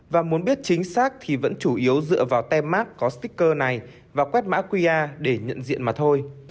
và muốn biết chính xác thì vẫn chủ yếu dựa vào tem mark có sticker này và quét mã qr để nhận diện mà thôi